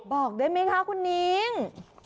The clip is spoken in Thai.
บอกได้ไหมคะคุณนิ้ง